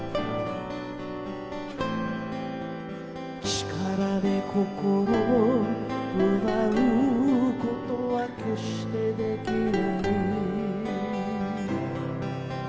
「力で心を奪う事は決して出来ない」